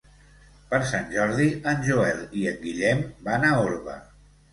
Per Sant Jordi en Joel i en Guillem van a Orba.